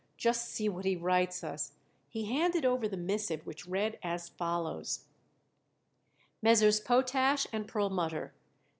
"Just see what he writes us." He handed over the missive, which read as follows: MESSRS. POTASH & PERLMUTTER.